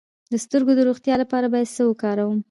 د سترګو د روغتیا لپاره باید څه وکاروم؟